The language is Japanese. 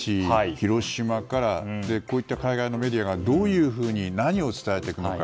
・広島がこういった海外のメディアがどういうふうに何を伝えていくのか